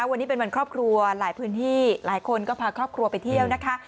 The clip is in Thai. วันนี้เป็นวันครอบครัวหลายพื้นที่หลายคนก็พาครอบครัวไปเที่ยวนะคะ